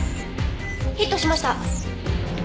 ヒットしました！